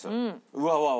うわうわ